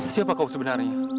siapa kau sebenarnya